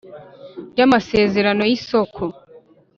Ry amasezerano y isoko